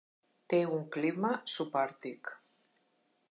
Té un clima subàrtic.